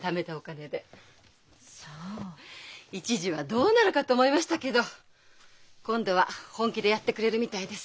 一時はどうなるかと思いましたけど今度は本気でやってくれるみたいです。